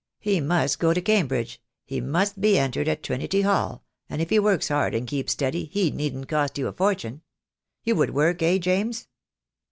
He must go to Cam bridge, he must be entered at Trinity Hall, and if he works hard and keeps steady he needn't cost you a for tune. You would work, eh, James?"